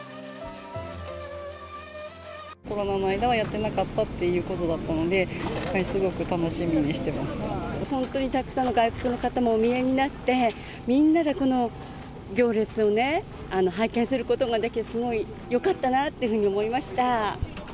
コロナの間はやってなかったということだったので、本当にたくさんの外国の方もお見えになって、みんなでこの行列を拝見することができて、すごいよかったなっていうふうに思いました。